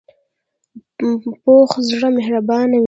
پوخ زړه مهربانه وي